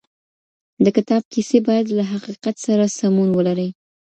د کتاب کيسې بايد له حقيقت سره سمون ولري.